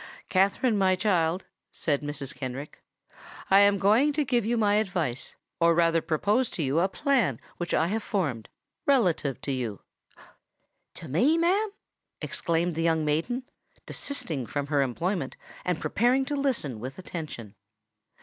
"Katherine, my dear child," said Mrs. Kenrick, "I am going to give you my advice—or rather to propose to you a plan which I have formed—relative to you——" "To me, ma'am?" exclaimed the young maiden, desisting from her employment, and preparing to listen with attention.